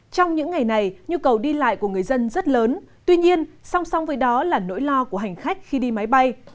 trong những ngày này nhu cầu đi lại của người dân rất lớn tuy nhiên song song với đó là nỗi lo của hành khách khi đi máy bay